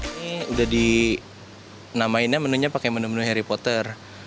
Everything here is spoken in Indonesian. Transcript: ini udah dinamainnya menunya pakai menu menu harry potter